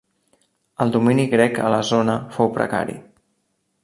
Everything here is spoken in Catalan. El domini grec a la zona fou precari.